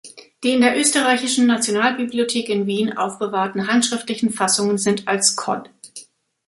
Die in der Österreichischen Nationalbibliothek in Wien aufbewahrten handschriftlichen Fassungen sind als Codd.